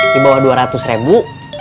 di bawah dua ratus ribu